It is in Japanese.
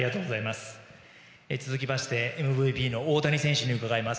続きましてＭＶＰの大谷選手に伺います。